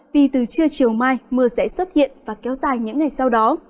vì từ trưa chiều mai mưa sẽ xuất hiện và kéo dài những ngày sau đó